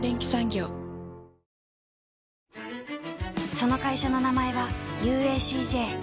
その会社の名前は ＵＡＣＪ